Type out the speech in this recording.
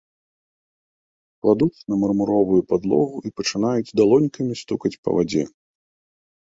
Кладуцца на мармуровую падлогу і пачынаюць далонькамі стукаць па вадзе.